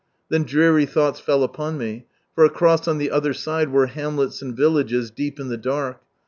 Then dreary thoughts fell upon me ; for across on the other side were hamlets and villages deep in the dark.